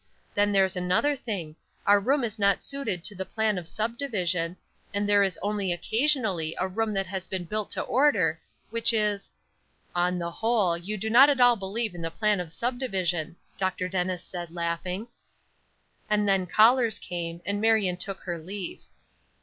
Then there's another thing; our room is not suited to the plan of subdivision, and there is only occasionally a room that has been built to order, which is " "On the whole, you do not at all believe in the plan of subdivision," Dr. Dennis said, laughing. And then callers came, and Marion took her leave.